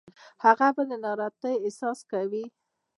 هغه به د ناراحتۍ احساس کوي.